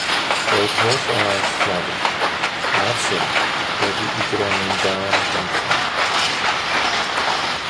Roedd holl olau'r lloer a'r sêr wedi'i gronni'n dân gwenfflam.